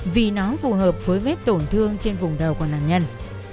vì nó phù hợp với vết tổn thương trên vùng đầu của nạn nhân